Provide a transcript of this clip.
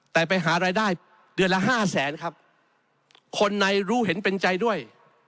แต่ไปหารายได้เดือนละห้าแสนครับคนในรู้เห็นเป็นใจด้วย